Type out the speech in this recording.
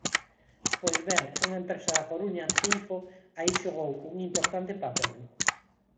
Pois ben, unha empresa da Coruña, Cinfo, aí xogou un importante papel.